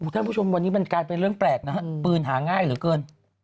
ท่านผู้ชมวันนี้มันกลายเป็นเรื่องแปลกนะฮะปืนหาง่ายเหลือเกิน